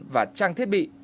và trang thiết bị